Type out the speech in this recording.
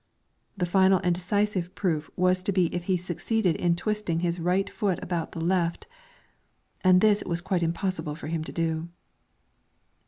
The final and decisive proof was to be if he succeeded in twisting his right foot about the left, and this it was quite impossible for him to do.